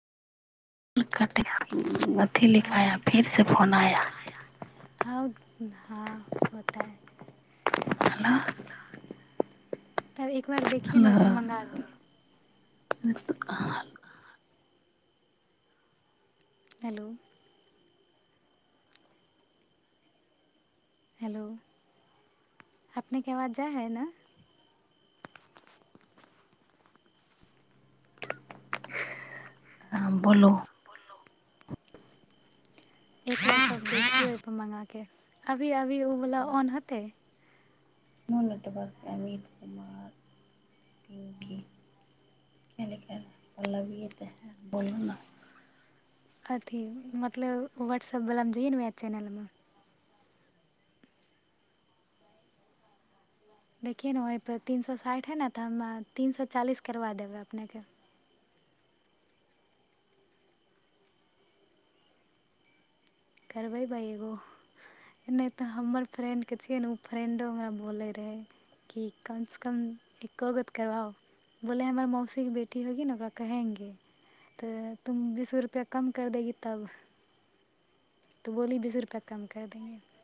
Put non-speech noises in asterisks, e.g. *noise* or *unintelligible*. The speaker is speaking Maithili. ल कट गथि लिखा फिरसँ फोना हाँ हाँ होता है ह तब एक बार देखििय ने त हेलो मंगा ल हेलो हेलो अपनेके आवाज जाइ हइ ने बोलो एक बार तऽ अब देखियएहिप मंगाे अभी अब *unintelligible* न नेटवर्क अमित कुमार पिंकी कए लि पल्लवए तऽ है बोलू ने अथी मतलब वॉट्सऐप वला जइए ने आ चेनलमे देखियै ने ओहिपर तीन सए साठि हइ ने तऽ हम तीन सए चालीस करवा देबै अपनेकेँ करबै बा एगो नहि तऽ हमर फ्रेंडके छियै ने ओ फ्रेंडो हमरा बोलै रहै कि कमसँ कम एक्ो गो त करबाओ बोले हमर मौसीके बेटी होगी ने ओकरा कहेंगे तऽ तुम बीसो रुपैआ कम करि देगी तब तऽ बोली बीस रुपैआ कम कर दिंगै